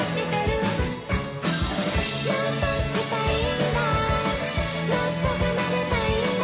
「もっと弾きたいんだもっと奏でたいんだ」